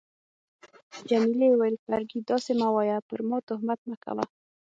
جميلې وويل: فرګي، داسي مه وایه، پر ما تهمت مه کوه.